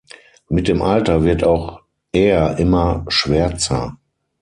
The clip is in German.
Mit dem Alter wird auch er immer schwärzer.